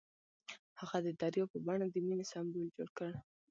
هغه د دریا په بڼه د مینې سمبول جوړ کړ.